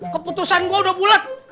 keputusan gue udah bulet